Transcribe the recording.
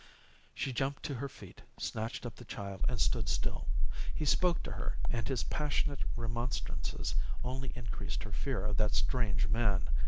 "She jumped to her feet, snatched up the child, and stood still. He spoke to her, and his passionate remonstrances only increased her fear of that strange man.